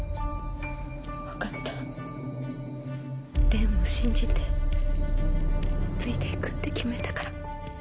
わかった。を信じてついていくって決めたから。